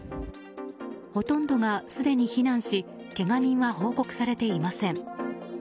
ほとんどが、すでに避難しけが人は報告されていません。